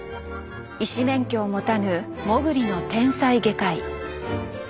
医師免許を持たぬモグリの天才外科医。